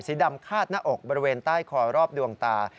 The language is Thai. สีดำคาดหน้าอกบริเวณใต้คอรอบดวงตา